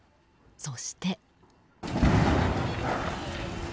そして。